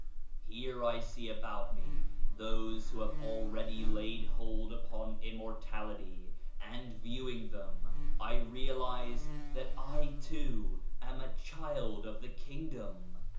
Here I see about me those who have already laid hold upon Immor tality, and viewing them I realize that I too am a child of the Kingdom.